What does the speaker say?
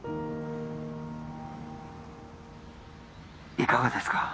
いかがですか？